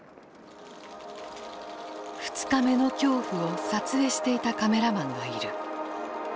二日目の恐怖を撮影していたカメラマンがいる。